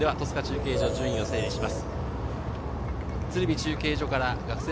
戸塚中継所、順位を整理します。